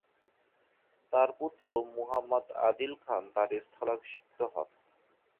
তার পুত্র মুহাম্মদ আদিল খান তার স্থলাভিষিক্ত হন।